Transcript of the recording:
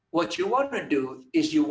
apa yang anda inginkan lakukan adalah